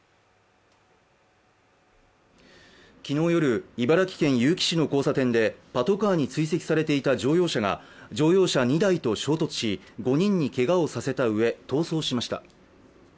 昨日夜、茨城県結城市の交差点でパトカーに追跡されていた乗用車が乗用車２台と衝突し、５人にけがをさせたうえ、逃走しました。